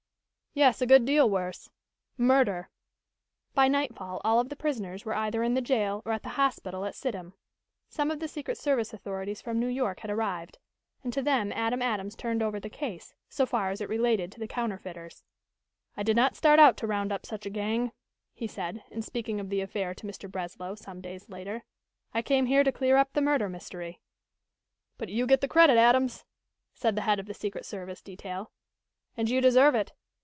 "Yes, a good deal worse. Murder!" By nightfall all of the prisoners were either in the jail or at the hospital at Sidham. Some of the secret service authorities from New York had arrived, and to them Adam Adams turned over the case, so far as it related to the counterfeiters. "I did not start out to round up such a gang," he said, in speaking of the affair to Mr. Breslow, some days later. "I came here to clear up the murder mystery." "But you get the credit, Adams," said the head of the secret service detail. "And you deserve it.